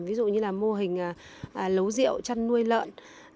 ví dụ như là mô hình lấu rượu chăn nuôi lợn